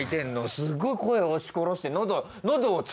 すごい声押し殺して。